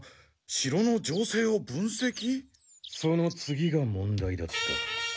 その次が問題だった。